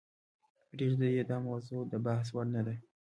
پریږده یې داموضوع دبحث وړ نه ده .